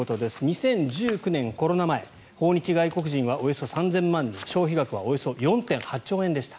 ２０１９年、コロナ前訪日外国人はおよそ３０００万人消費額はおよそ４．８兆円でした。